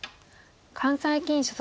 関西棋院所属。